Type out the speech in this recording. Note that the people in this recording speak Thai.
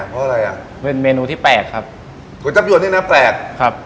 เพราะอะไรอ่ะเป็นเมนูที่แปลกครับก๋วยจับยวนนี่น่าแปลกครับ